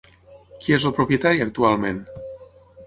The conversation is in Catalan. Qui és el propietari actualment?